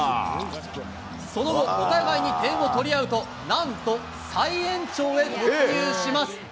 その後、お互いに点を取り合うと、なんと再延長へ突入します。